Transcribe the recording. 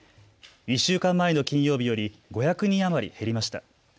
１週間前の金曜日より５００人余り減りました。